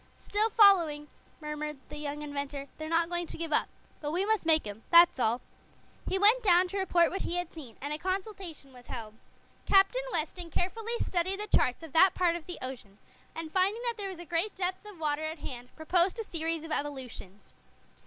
"Still following," murmured the young inventor. "They're not going to give up. But we must make 'em that's all." He went down to report what he had seen, and a consultation was held. Captain Weston carefully studied the charts of that part of the ocean, and finding that there was a great depth of water at hand, proposed a series of evolutions.